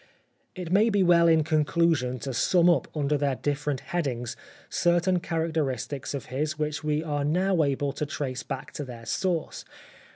It may be well in conclusion to sum up under The Life of Oscar Wilde their different headings certain characteristics of his which we are now able to trace back to their source.